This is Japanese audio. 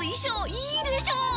いいでしょ？